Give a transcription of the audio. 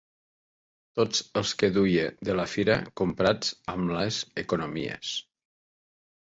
Tots els que duia de la fira comprats amb les economies